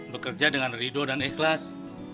bekerja dengan ridho dan ikhlas